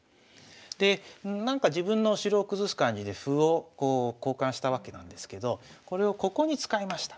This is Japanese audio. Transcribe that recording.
でなんか自分の城を崩す感じで歩を交換したわけなんですけどこれをここに使いました。